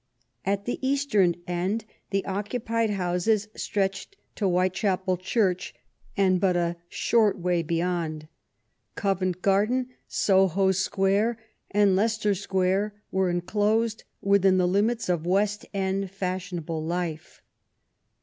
At the eastern end the occupied houses stretched to White chapel Church and but a short way beyond. Covent Garden, Soho Square, and Leicester Square were en closed within the limits of West End fashionable life.